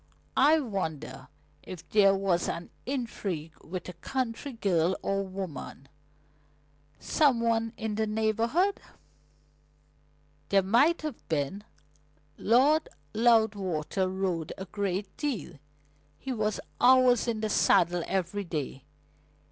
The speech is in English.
"I wonder if there was an intrigue with a country girl or woman, some one in the neighbourhood?" "There might have been. Lord Loudwater rode a great deal. He was hours in the saddle every day.